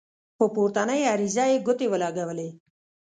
په پورتنۍ عریضه یې ګوتې ولګولې.